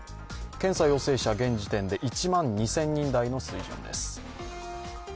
検査陽性者、現時点で１万２０００人台の水準です。